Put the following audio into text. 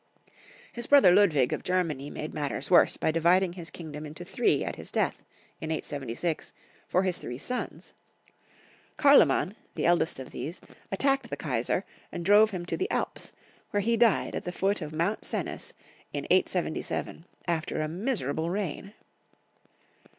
His brother Ludwig of Germany made matters worse by dividing his kingdom into three at his death, in 876, for his three sons. Karloman, the eldest of these, attacked the Kaisar, and drove him to the alps, where he died at the foot of Mount Cenis, in 877, after a miserable reign.